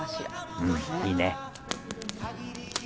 「うんいいね」